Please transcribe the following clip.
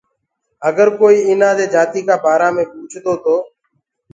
اَگر ڪوئيٚ ايٚنآ دي جاتيٚ ڪآ بآرآ مي پوٚڇدو تو۔